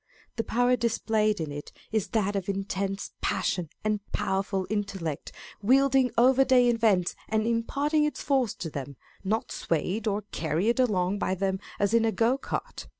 'The power displayed in it is that of intense passion and powerful intellect, wielding every day events, and impart ing its force to them, not swayed or carried along by them as in a go cart.